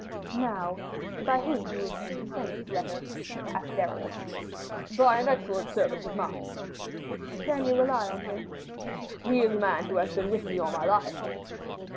"Now, by whom do you intend to send this letter?" asked Aramis. "By an excellent servant of mine." "Can you rely on him?" "He is a man who has been with me all my life."